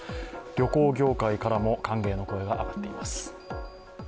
旅行業界からも歓迎の声が上がっています。